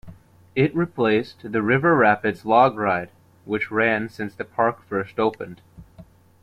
It replaced the River Rapids log ride, which ran since the park first opened.